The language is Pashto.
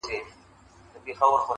طوطي نه وو یوه لویه ننداره وه؛